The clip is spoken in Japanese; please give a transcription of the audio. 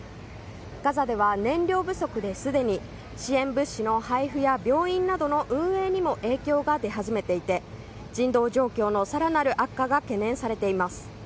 ガザでは燃料不足ですでに支援物資の配布や病院などの運営にも影響が出始めていて人道状況の更なる悪化が懸念されています。